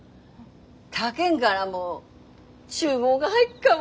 他県がらも注文が入っかも。